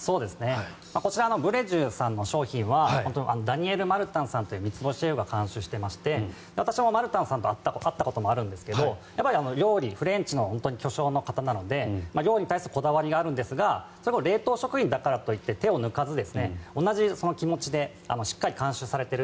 こちらブレジュさんの商品はダニエル・マルタンさんという３つ星シェフが監修していまして私もマルタンさんに会ったことがあるんですが料理、フレンチの巨匠の方なので料理に対するこだわりがあるんですが冷凍食品だからといって手を抜かず、同じ気持ちでしっかり監修されている。